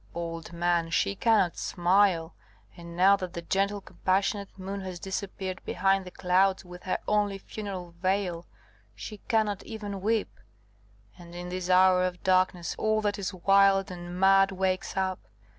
Old man, she cannot smile; and now that the gentle compassionate Moon has disappeared behind the clouds with her only funeral veil, she cannot even weep. And in this hour of darkness all that is wild and mad wakes up.